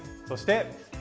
そして。